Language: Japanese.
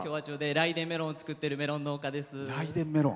らいでんメロンを作ってるメロン農家です。